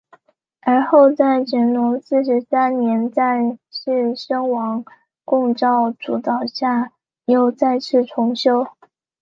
而后在乾隆四十三年在士绅王拱照主导下又再次重修。